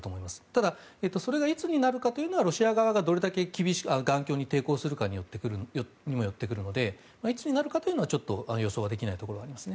ただ、それがいつになるのかというのはロシア側がどれだけ頑強に抵抗するかにもよってくるのでいつになるかは予想できないところはあります。